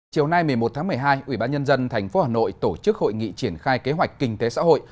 chiều nay một mươi một tháng một mươi hai ủy ban nhân dân tp hà nội tổ chức hội nghị triển khai kế hoạch kinh tế xã hội